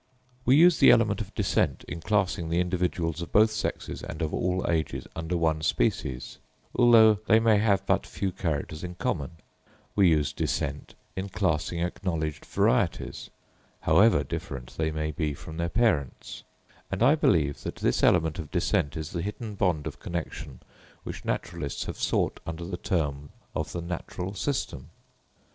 We use the element of descent in classing the individuals of both sexes and of all ages under one species, although they may have but few characters in common; we use descent in classing acknowledged varieties, however different they may be from their parents; and I believe that this element of descent is the hidden bond of connexion which naturalists have sought under the term of the Natural System.